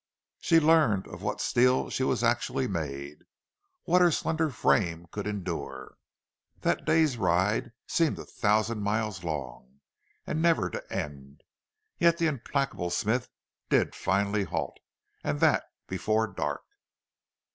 She learned of what steel she was actually made what her slender frame could endure. That day's ride seemed a thousand miles long, and never to end. Yet the implacable Smith did finally halt, and that before dark.